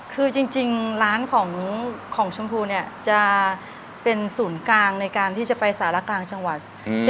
คือจริงร้านของชมพูเนี่ยจะเป็นศูนย์กลางในการที่จะไปสารกลางจังหวัด